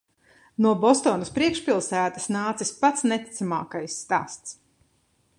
No Bostonas priekšpilsētas nācis pats neticamākais stāsts.